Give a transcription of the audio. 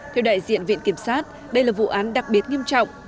theo đại diện viện kiểm sát đây là vụ án đặc biệt nghiêm trọng